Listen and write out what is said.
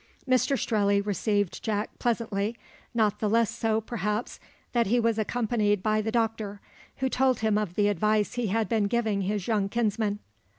Mr Strelley received Jack pleasantly, not the less so, perhaps, that he was accompanied by the doctor, who told him of the advice he had been giving his young kinsman.